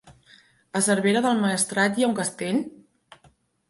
A Cervera del Maestrat hi ha un castell?